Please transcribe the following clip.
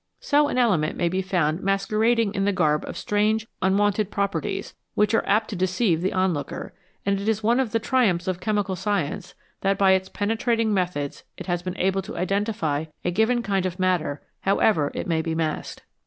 So an element may be found masquerading in the garb of strange, unwonted properties, which are apt to deceive the onlooker, and it is one of the triumphs of chemical science that by its penetrating methods it has been able to identify a given kind of matter however it may be masked.